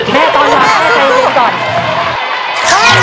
แม่ต้องอย่างนี้แม่ต้องอย่างนี้ก่อน